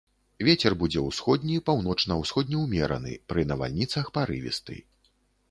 Вецер будзе ўсходні, паўночна-ўсходні ўмераны, пры навальніцах парывісты.